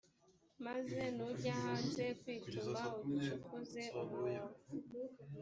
maze nujya hanze kwituma, ugicukuze umwobo,